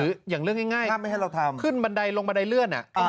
หรืออย่างเรื่องง่ายขึ้นบันไดลงบันไดเลื่อนเนี่ย